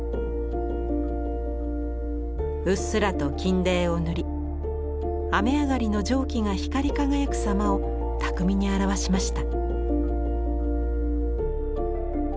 うっすらと金泥を塗り雨上がりの蒸気が光り輝くさまを巧みに表しました。